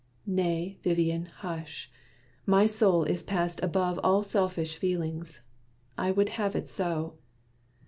Nay, Vivian, hush! my soul has passed above All selfish feelings! I would have it so.